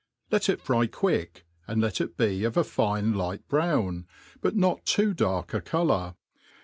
Let it fry quick, and let it be of a fine light brown, but not too dark a colour.